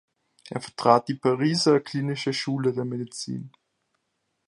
Er vertrat die Pariser klinische Schule der Medizin.